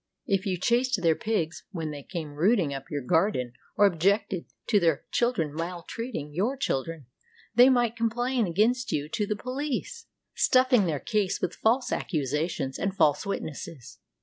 If you chased their pigs when they came rooting up your gar den, or objected to their children maltreating your chil dren, they might complain against you to the police, stuffing their case with false accusations and false wit nesses.